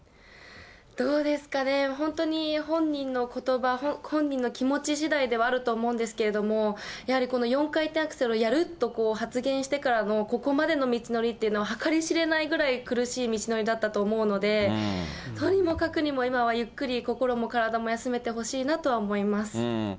どうですかね、本当に本人のことば、本人の気持ちしだいではあると思うんですけれども、やはりこの４回転アクセルをやると発言してからの、ここまでの道のりというのは、計り知れないぐらい苦しい道のりだったと思うので、とにもかくにも、今はゆっくり心も体も休めてほしいなとは思います。